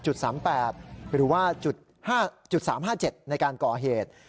หรือว่า๓๕๗ในการก่อเหตุ